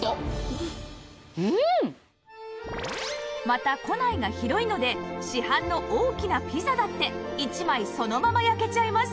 また庫内が広いので市販の大きなピザだって１枚そのまま焼けちゃいます